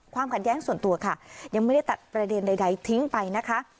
ความขัดแย้งส่วนตัวค่ะยังไม่ได้ตัดประเด็นใดทิ้งไปนะคะ